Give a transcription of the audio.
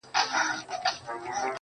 دي ښاد سي د ځواني دي خاوري نه سي~